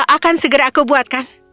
akan segera aku buatkan